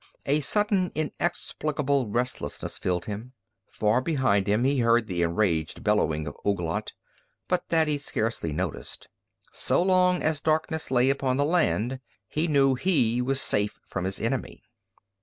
A sudden inexplicable restlessness filled him. Far behind him he heard the enraged bellowing of Ouglat, but that he scarcely noticed. So long as darkness lay upon the land he knew he was safe from his enemy.